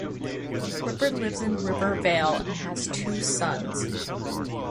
Ripper lives in Rivervale and has two sons.